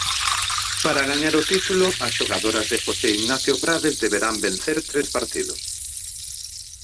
Para gañar o título, as xogadoras de Jose Ignacio Prades deberán vencer tres partidos.